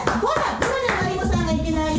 今のマリモさんがいけないよ！